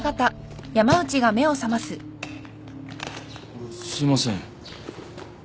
あっすいません